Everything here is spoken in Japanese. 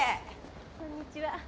こんにちは。